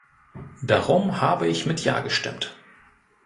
Darum habe ich mit Ja gestimmt.